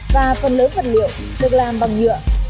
và phần lớn vật liệu được làm bằng nhựa